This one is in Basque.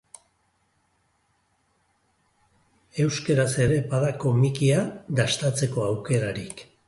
Euskaraz ere bada komikia dastatzeko aukerarik.